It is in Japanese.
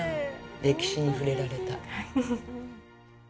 歴史に触れられた。